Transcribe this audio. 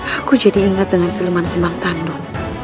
aku jadi ingat dengan siluman kumbang tanduk